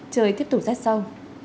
trời tiếp tục rất sâu